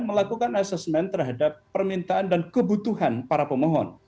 melakukan asesmen terhadap permintaan dan kebutuhan para pemohon